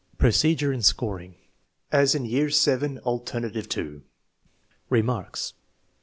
Procedure and Scoring, as in year VII, alternative 2. Remarks.